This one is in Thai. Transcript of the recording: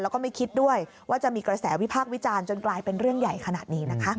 แล้วก็ไม่คิดด้วยว่าจะมีกระแสวิพากษ์วิจารณ์จนกลายเป็นเรื่องใหญ่ขนาดนี้นะคะ